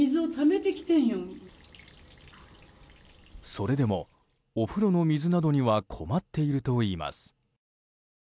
それでもお風呂の水などには困っているといいます。